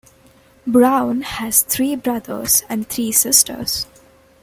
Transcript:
Brown has three brothers and three sisters.